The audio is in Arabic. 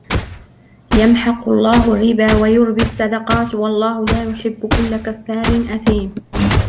يمحق الله الربا ويربي الصدقات والله لا يحب كل كفار أثيم